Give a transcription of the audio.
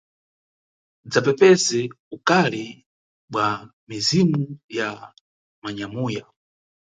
Dzapepese ukali bwa mizimu ya manyumuya.